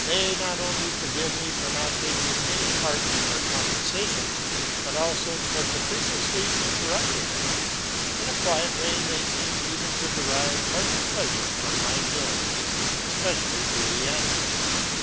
They not only forgive me for not taking any part in their conversation, but also for capriciously interrupting it. In a quiet way they seem even to derive hearty pleasure from my joy. Especially Juliana.